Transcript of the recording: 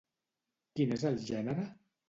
Quin és el gènere?